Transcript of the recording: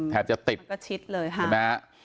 แทบจะติดมันก็ชิดเลยฮะ